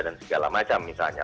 dan segala macam misalnya